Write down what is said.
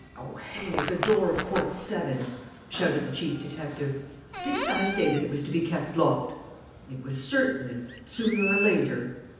..." "Oh, hang it, the door of Court 7!" shouted the chief detective. "Didn't I say that it was to be kept locked? ... It was certain that, sooner or later